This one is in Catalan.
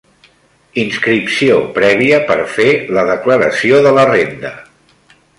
Inscripció prèvia per fer la declaració de la renda.